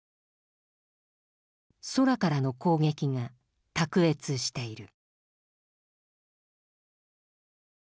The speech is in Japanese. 「空からの攻撃が卓越している」。